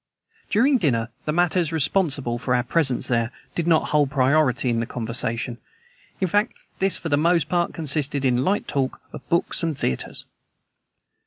During dinner the matters responsible for our presence there did not hold priority in the conversation. In fact, this, for the most part, consisted in light talk of books and theaters.